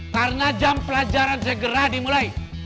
karena jam pelajaran segera dimulai